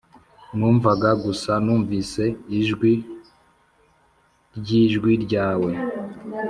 numvaga gusa numvise ijwi ryijwi ryawe.